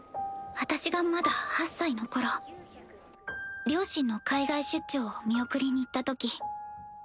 私がまだ８歳の頃両親の海外出張を見送りに行ったとき。